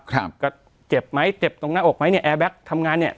ครับก็เจ็บไหมเจ็บตรงหน้าอกไหมเนี่ยแอร์แก๊กทำงานเนี้ย